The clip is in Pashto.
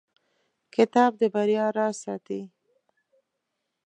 کتاب د بریا راز ساتي.